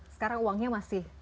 sekarang uangnya masih